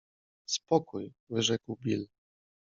spokój - wyrzekł Bill.